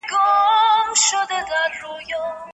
سوله ييزه مبارزه د خلکو زړونه لاسته راوړي.